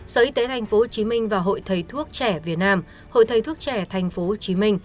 sở y tế tp hcm và hội thầy thuốc trẻ việt nam hội thầy thuốc trẻ tp hcm